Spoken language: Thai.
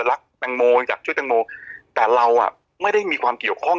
รักแตงโมอยากช่วยแตงโมแต่เราอ่ะไม่ได้มีความเกี่ยวข้อง